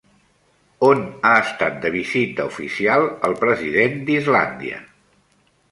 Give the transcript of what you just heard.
On ha estat de visita oficial el president d'Islàndia?